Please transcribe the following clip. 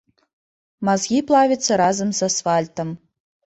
Мазгі плавяцца разам з асфальтам.